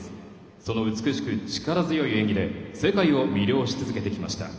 その力強くすばらしい演技で世界を魅了し続けてきました。